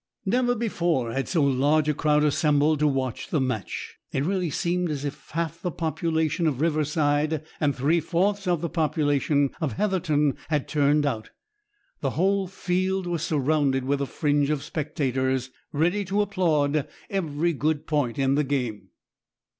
Never before had so large a crowd assembled to watch the match. It really seemed as if half the population of Riverside and three fourths of the population of Heatherton had turned out. The whole field was surrounded with a fringe of spectators, ready to applaud every good point in the game.